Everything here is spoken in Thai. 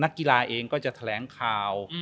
นักกีฬาเองก็จะแถลงคาว